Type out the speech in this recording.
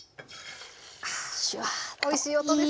あおいしい音ですね。